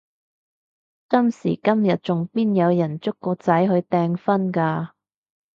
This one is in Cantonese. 今時今日仲邊有人捉個仔去訂婚㗎？